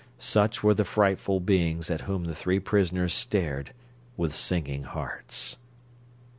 Such were the frightful beings at whom the three prisoners stared with sinking hearts.